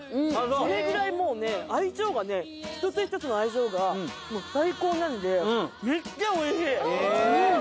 それぐらいもうね一つ一つの相性がもう最高なんでめっちゃおいしい！